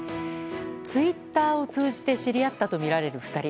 ツイッターを通じて知り合ったとみられる２人。